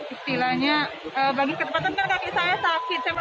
istilahnya bagi ketepatan kan kaki saya sakit